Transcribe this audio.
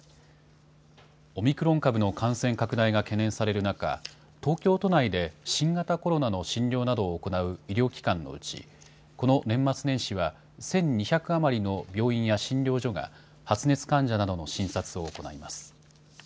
オミクロン株の感染拡大が懸念される中、東京都内で新型コロナの診療などを行う医療機関のうち、この年末年始は１２００余りの病院や診療所が、発熱患者などの診察を行います。